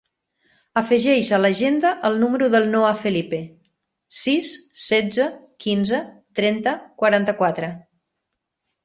Afegeix a l'agenda el número del Noah Felipe: sis, setze, quinze, trenta, quaranta-quatre.